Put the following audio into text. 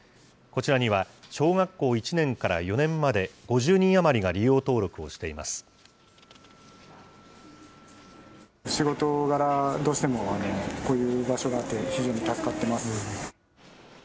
こちらには小学校１年から４年まで、５０人余りが利用登録をしています。